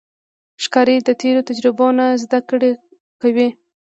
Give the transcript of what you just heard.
ښکاري د تیرو تجربو نه زده کړه کوي.